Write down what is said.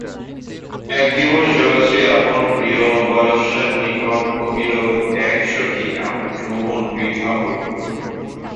এক দিবস জয়শ্রী আপন প্রিয়বয়স্যার নিকট কহিল দেখ সখি আমার যৌবন বৃথা হইল।